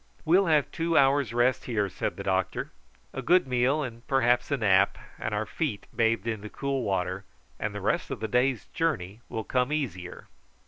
"We'll have two hours' rest here," said the doctor, "a good meal, and perhaps a nap, and our feet bathed in the cool water, and the rest of the day's journey will come easier."